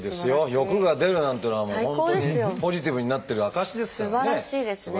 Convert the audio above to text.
欲が出るなんていうのはもう本当にポジティブになってる証しですからね